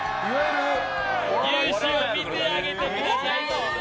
雄姿を見てあげてあげてください。